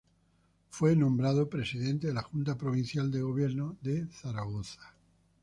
Fue nombrado Presidente de la Junta Provincial de Gobierno de Zaragoza.